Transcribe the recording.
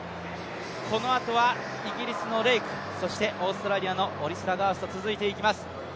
このあとはイギリスのレイク、そしてオーストラリアのオリスラガースと続いていきます。